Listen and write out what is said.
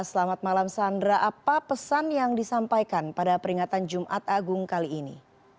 selamat malam sandra apa pesan yang disampaikan pada peringatan jumat agung kali ini